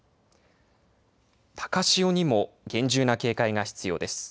高潮にも厳重な警戒が必要です。